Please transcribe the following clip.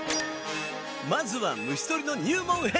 まずは虫とりの入門編！